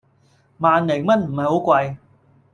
萬零蚊唔係好貴